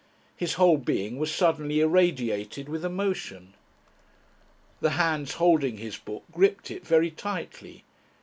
His whole being was suddenly irradiated with emotion. The hands holding his book gripped it very tightly.